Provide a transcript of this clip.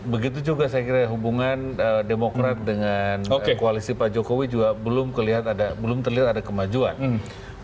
begitu juga saya kira hubungan demokrat dengan koalisi pak jokowi juga belum terlihat ada kemajuan